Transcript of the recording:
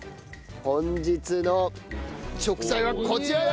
本日の食材はこちらだ！